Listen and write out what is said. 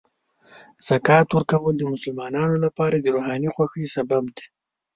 زکات ورکول د مسلمانانو لپاره د روحاني خوښۍ سبب دی.